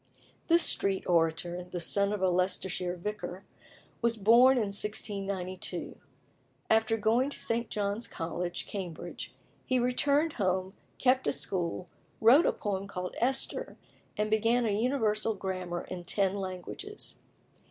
This street orator, the son of a Leicestershire vicar, was born in 1692. After going to St. John's College, Cambridge, he returned home, kept a school, wrote a poem called "Esther," and began a Universal Grammar in ten languages.